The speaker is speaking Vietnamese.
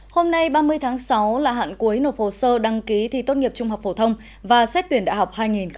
hôm nay ba mươi tháng sáu là hạn cuối nộp hồ sơ đăng ký thi tốt nghiệp trung học phổ thông và xét tuyển đại học hai nghìn hai mươi